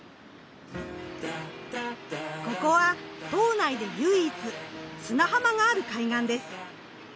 ここは島内で唯一砂浜がある海岸です。